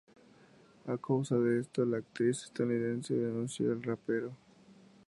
A causa de esto, la actriz estadounidense denunció al rapero.